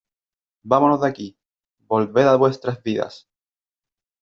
Vámonos de aquí . Volved a vuestras vidas .